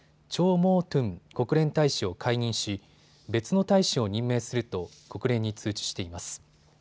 モー・トゥン国連大使を解任し別の大使を任命すると国連に通知しています。